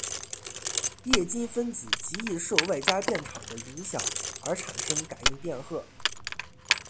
液晶分子极易受外加电场的影响而产生感应电荷。